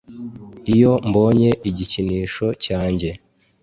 iyo mbonye igikinisho cyanjye